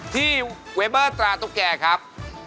ที่เวเบอร์ตราตุ๊กแก่ครับ